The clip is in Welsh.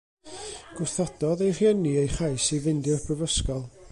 Gwrthododd ei rhieni ei chais i fynd i'r brifysgol.